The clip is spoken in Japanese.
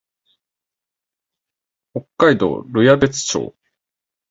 北海道留夜別村